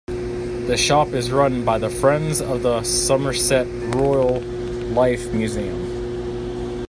The shop is run by the Friends of the Somerset Rural Life Museum.